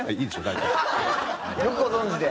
大体。よくご存じで。